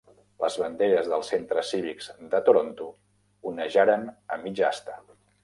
Les banderes dels centres cívics de Toronto onejaren a mitja asta.